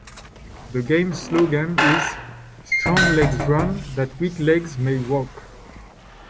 The game's slogan is "Strong Legs Run That Weak Legs May Walk".